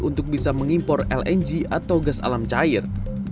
untuk bisa mengimpor lng atau gas alam cair